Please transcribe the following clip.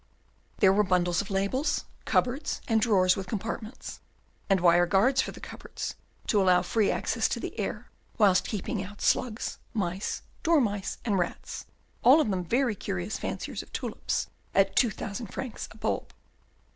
There were bundles of labels, cupboards, and drawers with compartments, and wire guards for the cupboards, to allow free access to the air whilst keeping out slugs, mice, dormice, and rats, all of them very curious fanciers of tulips at two thousand francs a bulb.